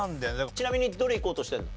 ちなみにどれいこうとしてるの？